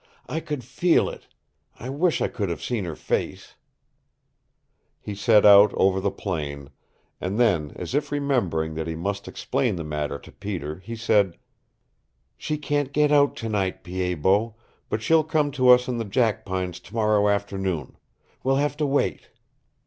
"I could FEEL it. I wish I could have seen her face." He set out over the plain; and then, as if remembering that he must explain the matter to Peter, he said: "She can't get out tonight, Pied Bot, but she'll come to us in the jackpines tomorrow afternoon. We'll have to wait."